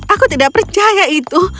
aku tidak percaya itu